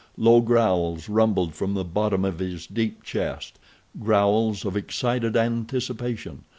Low growls rumbled from the bottom of his deep chest—growls of excited anticipation.